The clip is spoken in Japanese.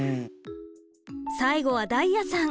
最後はだいやさん。